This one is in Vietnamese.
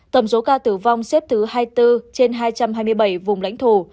tổng số ca tử vong xếp thứ hai mươi bốn trên hai trăm hai mươi bảy vùng lãnh thổ